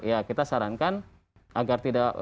ya kita sarankan agar tidak